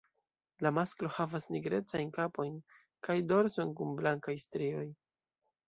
La masklo havas nigrecajn kapon kaj dorson kun blankaj strioj.